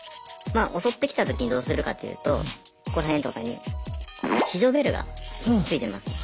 襲ってきたときにどうするかっていうとここら辺とかに非常ベルが付いてます。